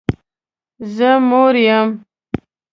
زه موړ یم